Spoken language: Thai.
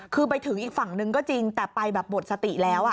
คือไปถึงอีกฝั่งนึงก็จริงแต่ไปแบบหมดสติแล้ว